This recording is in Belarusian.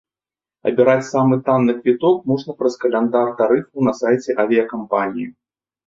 Абіраць самы танны квіток можна праз каляндар тарыфаў на сайце авіякампаніі.